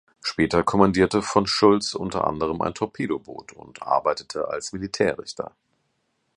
Später kommandierte von Schoultz unter anderem ein Torpedoboot und arbeitete als Militärrichter.